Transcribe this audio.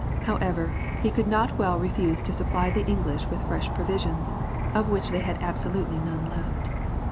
However, he could not well refuse to supply the English with fresh provisions, of which they had absolutely none left.